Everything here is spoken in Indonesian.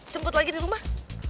cemput lagi di rumah